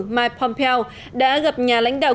mike pompeo đã gặp nhà lãnh đạo